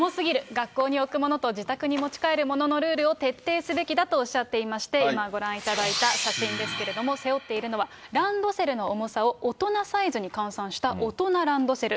学校に置くものと、自宅に持ち帰るもののルールを徹底すべきだとおっしゃっていまして、今、ご覧いただいた写真ですけれども、背負っているのは、ランドセルの重さを大人サイズに換算した大人ランドセル。